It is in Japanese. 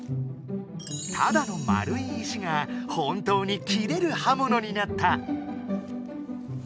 ただの丸い石が本当に切れる刃物になった！